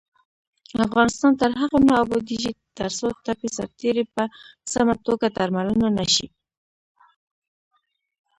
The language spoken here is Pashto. افغانستان تر هغو نه ابادیږي، ترڅو ټپي سرتیري په سمه توګه درملنه نشي.